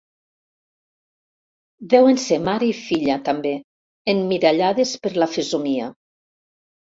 Deuen ser mare i filla, també, emmirallades per la fesomia.